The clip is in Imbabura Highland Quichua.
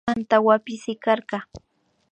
Antawpi sikarka